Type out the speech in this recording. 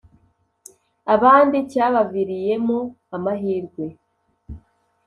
abandi cyabaviriyemo amahirwe,